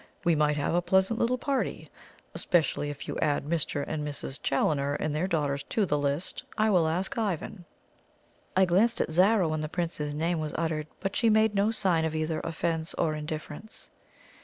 We might have a pleasant little party, especially if you add Mr. and Mrs. Challoner and their daughters to the list. And I will ask Ivan." I glanced at Zara when the Prince's name was uttered, but she made no sign of either offence or indifference.